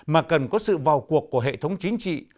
mà cần có sự vào cuộc của hệ thống chính trị